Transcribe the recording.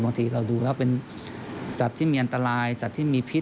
บางทีเราดูแล้วเป็นสัตว์ที่มีอันตรายสัตว์ที่มีพิษ